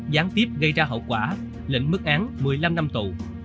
gián tiếp gây ra hậu quả lệnh mức án một mươi năm năm tù